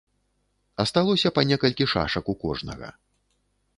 Асталося па некалькі шашак у кожнага.